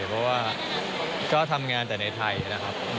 เพราะว่าก็ทำงานแต่ในไทยนะครับ